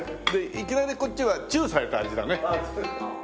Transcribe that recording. いきなりこっちはチューされた味だね。